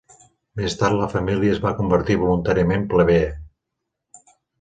Més tard la família es va convertir voluntàriament plebea.